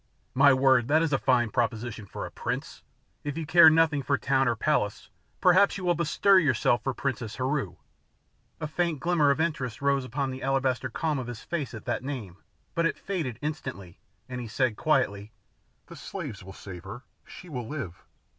"My word, that is a fine proposition for a prince! If you care nothing for town or palace perhaps you will bestir yourself for Princess Heru." A faint glimmer of interest rose upon the alabaster calm of his face at that name, but it faded instantly, and he said quietly, "The slaves will save her. She will live.